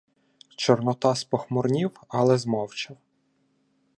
Чорнота спохмурнів, але змовчав.